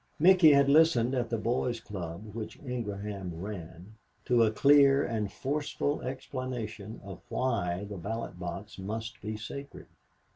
Micky had listened at the Boys' Club, which Ingraham ran, to a clear and forceful explanation of why the ballot box must be sacred.